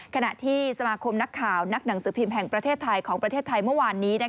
ขณะที่สมาคมนักข่าวนักหนังสือพิมพ์แห่งประเทศไทยของประเทศไทยเมื่อวานนี้